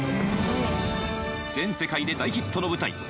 全世界で大ヒットの舞台